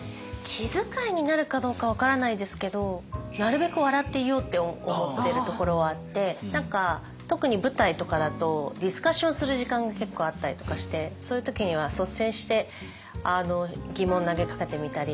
気づかいになるかどうか分からないですけどなるべく笑っていようって思ってるところはあって何か特に舞台とかだとディスカッションする時間が結構あったりとかしてそういう時には率先して疑問を投げかけてみたり。